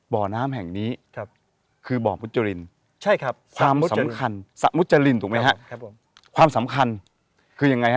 บ่อน้ำแห่งนี้คือบ่อมุจจรินความสำคัญสะมุจจรินถูกไหมฮะความสำคัญคือยังไงครับ